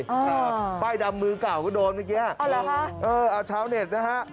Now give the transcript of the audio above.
ใช่ป้ายดำมือเก่าก็โดนเมื่อกี้ฮะเอาเหรอฮะเออเอาเช้าเน็ตนะฮะ